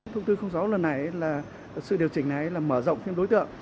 thông tư sáu lần này là sự điều chỉnh này là mở rộng thêm đối tượng